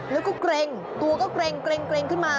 แล้วก็เกร็งตัวก็เกร็งขึ้นมา